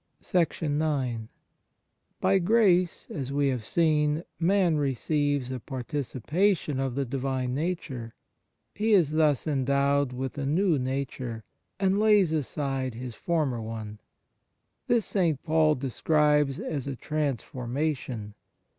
IX T3 Y grace, as we have seen, man X3 receives a participation of the Divine Nature; he is thus endowed with a new nature, and lays aside his former one. This St. Paul describes as a transformation.